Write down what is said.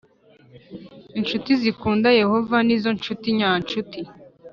Incuti zikunda Yehova ni zo ncuti nyancuti